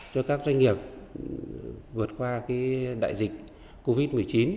cho các doanh nghiệp vượt qua đại dịch covid một mươi chín